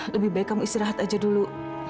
lebih baik kamu istirahat aja dulu